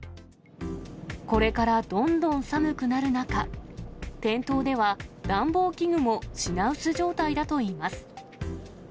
これからどんどん寒くなる中、店頭では暖房器具も品薄状態だといいます。